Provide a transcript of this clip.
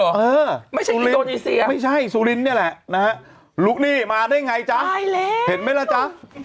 เออไม่ใช่ไม่ใช่สุรินทร์เนี่ยแหละนะฮะลุกหนี้มาได้ไงจ๊ะตายแล้วเห็นไหมล่ะจ๊ะ